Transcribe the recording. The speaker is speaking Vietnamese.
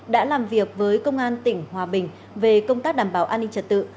đã làm việc với công an tỉnh hòa bình về công tác đảm bảo an ninh trật tự